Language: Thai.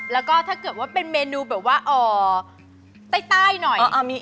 แล้วก็ถ้าเกิดว่าเป็นเมนูแบบว่าใต้หน่อย